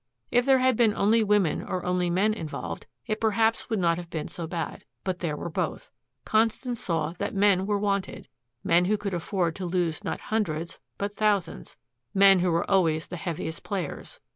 If there had been only women or only men involved, it perhaps would not have been so bad. But there were both. Constance saw that men were wanted, men who could afford to lose not hundreds, but thousands, men who are always the heaviest players.